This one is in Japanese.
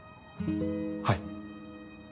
はい。